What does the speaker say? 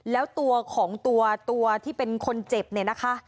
แล้วตัวของตัวที่เป็นคนเจ็บเนี่ยนะคะ